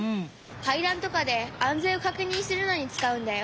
かいだんとかであんぜんをかくにんするのにつかうんだよ。